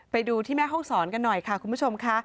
ไปดูที่แม่ห้องศรกันหน่อยค่ะคุณผู้ชมค่ะ